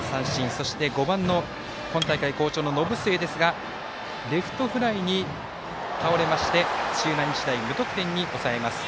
そして、５番の今大会好調の延末ですけれどもレフトフライに倒れまして土浦日大無得点に抑えます。